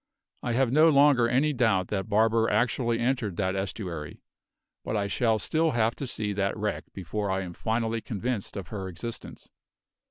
I have no longer any doubt that Barber actually entered that estuary; but I shall still have to see that wreck before I am finally convinced of her existence.